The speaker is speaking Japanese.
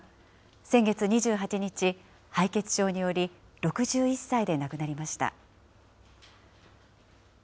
先月２８日、敗血症により６１歳で亡くなりました。